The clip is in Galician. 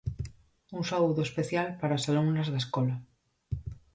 Un saúdo especial para as alumnas da escola.